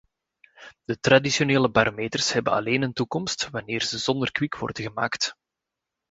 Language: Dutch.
De traditionele barometers hebben alleen een toekomst wanneer ze zonder kwik worden gemaakt.